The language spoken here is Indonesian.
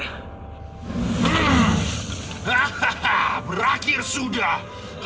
hahaha berakhir sudah